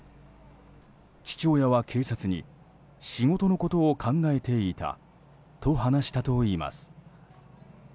父親は警察に仕事のことを考えていたと話したといいます。